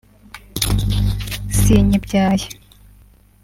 “sinyibyaye